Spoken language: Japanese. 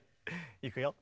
いくよ。